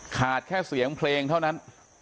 แค่เสียงเพลงเท่านั้น